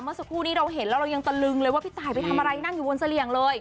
เมื่อสักครู่นี้เราเห็นแล้วเรายังตะลึงเลยว่าพี่ตายไปทำอะไรนั่งอยู่บนเสลี่ยงเลย